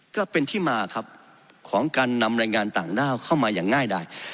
ก็เป็นที่มาครับของการนำแรงงานต่างด้าวเข้ามาอย่างง่ายได้